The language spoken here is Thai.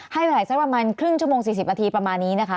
ให้เวลาสักประมาณครึ่งชั่วโมง๔๐นาทีประมาณนี้นะคะ